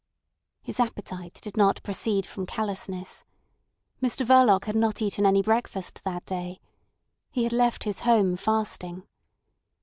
His appetite did not proceed from callousness. Mr Verloc had not eaten any breakfast that day. He had left his home fasting.